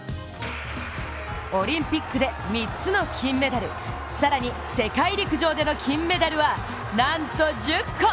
オリンピックで３つの金メダル、更に世界陸上での金メダルはなんと１０個。